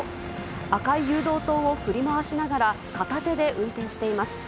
赤い誘導灯を振り回しながら、片手で運転しています。